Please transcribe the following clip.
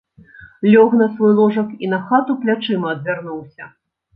Лёг на свой ложак і на хату плячыма адвярнуўся.